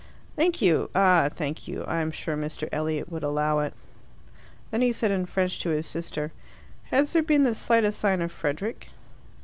"Thank you; ah, thank you. I am sure Mr. Elliot would allow it." Then he said in French to his sister, "Has there been the slightest sign of Frederick?"